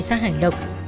tại xã hải lộc